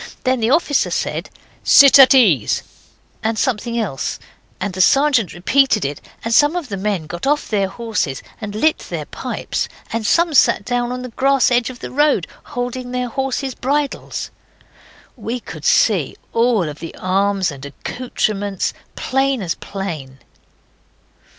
Then the officer said, 'Sit at ease,' and something else, and the sergeant repeated it, and some of the men got off their horses and lit their pipes, and some sat down on the grass edge of the road, holding their horses' bridles. We could see all the arms and accoutrements as plain as plain.